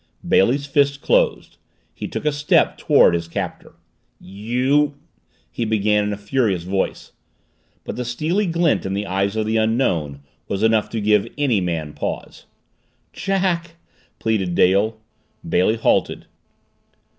Bailey's fist closed. He took a step toward his captor. "You " he began in a furious voice. But the steely glint in the eyes of the Unknown was enough to give any man pause. "Jack!" pleaded Dale. Bailey halted.